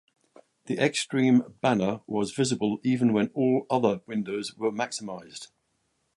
The X-Stream banner was visible even when all other windows were maximised.